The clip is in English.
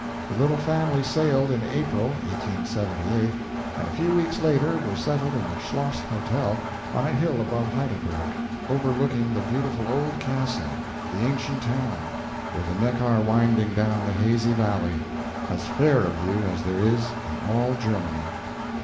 The little family sailed in April (1878), and a few weeks later were settled in the Schloss Hotel, on a hill above Heidelberg, overlooking the beautiful old castle, the ancient town, with the Neckar winding down the hazy valley as fair a view as there is in all Germany.